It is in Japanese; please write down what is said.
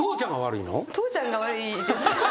父ちゃんが悪いです。